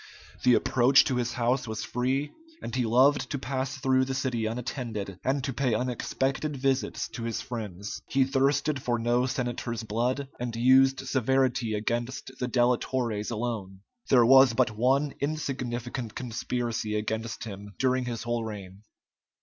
The approach to his house was free, and he loved to pass through the city unattended, and to pay unexpected visits to his friends. He thirsted for no senator's blood, and used severity against the delatores alone. There was but one insignificant conspiracy against him during his whole reign.